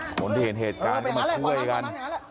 คนที่เห็นเหตุการณ์ก็มาช่วยกัน